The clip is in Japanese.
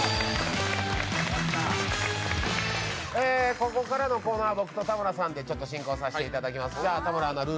ここからのコーナーは僕と田村さんで進行させていただきます。